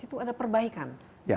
itu ada perbaikan